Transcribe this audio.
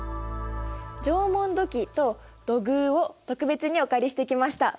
縄文土器と土偶を特別にお借りしてきました。